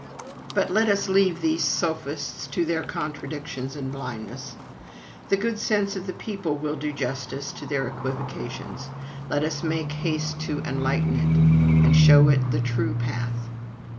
But let us leave these sophists to their contradictions and blindness. The good sense of the people will do justice to their equivocations. Let us make haste to enlighten it, and show it the true path.